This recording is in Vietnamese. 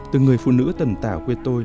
từng người phụ nữ tần tả quê tôi